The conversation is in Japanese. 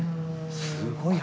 すごい。